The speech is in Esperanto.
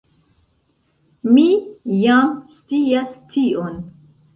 Mi jam scias tion.